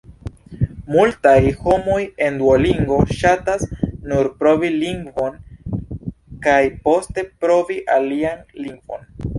Multaj homoj en Duolingo ŝatas nur provi lingvon kaj poste provi alian lingvon.